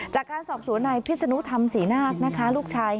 จากการสอบสวนนายพิศนุธรรมศรีนาคนะคะลูกชาย